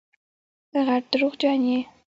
غټ دروغجن یې